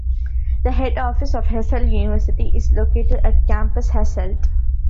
The head office of Hasselt University is located at campus Hasselt.